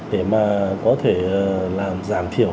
để mà có thể làm giảm thiểu